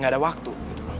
gak ada waktu gitu